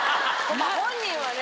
本人はね。